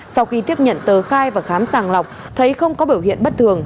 sau khi tiếp nhận tờ khai và khám sàng lọc thấy không có biểu hiện bất thường